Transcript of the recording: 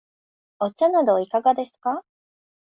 お茶などいかがですか。